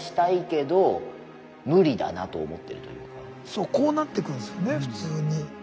そうこうなっていくんすよね普通に。